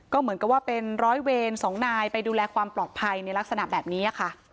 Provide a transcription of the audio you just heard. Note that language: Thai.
ก็เหมือนกับว่าเป็นร้อยเวรสองนายไปดูแลความปลอดภัยในลักษณะแบบนี้ค่ะ